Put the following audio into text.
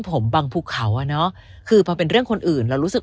ผมบังภูเขาอ่ะเนอะคือพอเป็นเรื่องคนอื่นเรารู้สึก